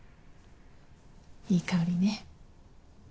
いい香りね。